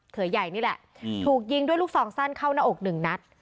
เขยใหญ่นี่แหละถูกยิงด้วยลูกซองสั้นเข้าหน้าอกหนึ่งนัด